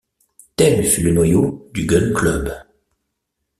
Tel fut le noyau du Gun-Club.